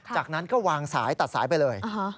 จากนั้นก็วางสายตัดสายไปเลย